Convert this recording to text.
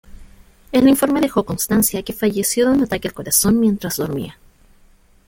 El informe dejó constancia que falleció de un ataque al corazón mientras dormía.